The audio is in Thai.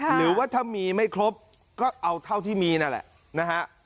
หรือว่าถ้ามีไม่ครบก็เอาเท่าที่มีนั่นแหละนะฮะ